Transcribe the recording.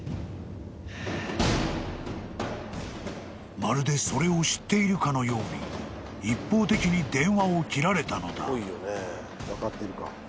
［まるでそれを知っているかのように一方的に電話を切られたのだ］